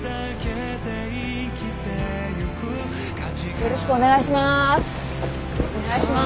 よろしくお願いします。